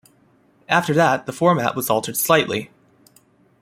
After that, the format was altered slightly.